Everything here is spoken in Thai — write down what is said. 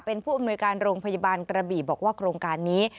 เป็นผู้อำนวยการโรงพยาบาลกระบี่บอกว่าโครงการนี้